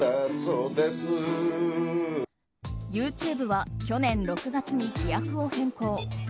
ＹｏｕＴｕｂｅは去年６月に規約を変更。